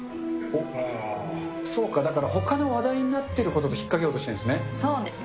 そうか、だからほかの話題になってることと引っ掛けようとしてるんですね。